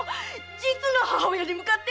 実の母親に向かって！